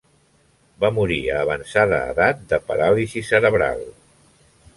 Va morir a avançada edat de paràlisi cerebral.